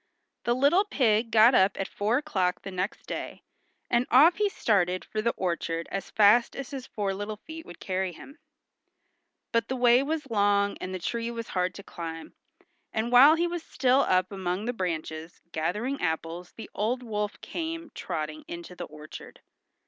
The little pig got up at four o'clock the next day, and off he started for the orchard as fast as his four little feet would carry him. But the way was long, and the tree was hard to climb, and while he was still up among the branches gathering apples the old wolf came trotting into the orchard.